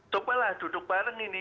tuh apalah duduk bareng ini